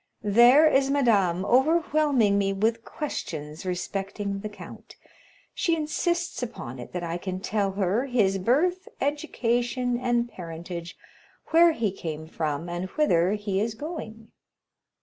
There is madame overwhelming me with questions respecting the count; she insists upon it that I can tell her his birth, education, and parentage, where he came from, and whither he is going.